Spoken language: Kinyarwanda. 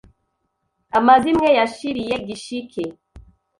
Amazimwe yashiriye Gishike.